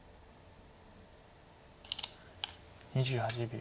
２８秒。